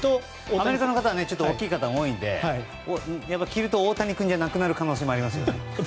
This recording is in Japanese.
アメリカの方はちょっと大きい方が多いので着ると、大谷君じゃなくなる可能性がありますね。